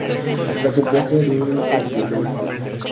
Está compuesto de un único filamento.